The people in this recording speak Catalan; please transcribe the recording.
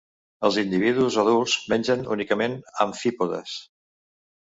Els individus adults mengen únicament amfípodes.